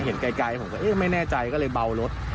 เห็นไกลผมก็เอ๊ะไม่แน่ใจก็เลยเบารถ